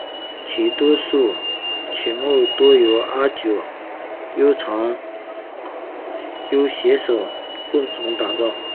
其多数曲目多由阿久悠携手共同打造。